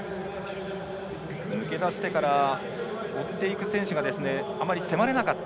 抜け出してから追っていく選手があまり迫れなかった。